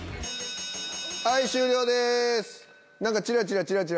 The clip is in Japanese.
はい終了です。